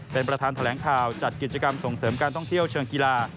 เป็นประธานแถลงข่าวจัดกิจกรรมส่งเสริมการท่องเที่ยวเชิงกีฬา